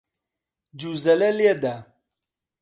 جوزەلە لێدە.